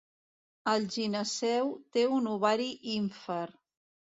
El gineceu té un ovari ínfer.